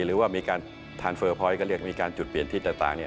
หรือว่ามีการทานเฟอร์พอยต์ก็เรียกมีการจุดเปลี่ยนที่ต่าง